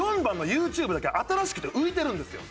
４番の「ＹｏｕＴｕｂｅ」だけ新しくて浮いてるんですよ。